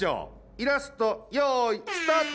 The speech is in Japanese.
イラストよいスタート！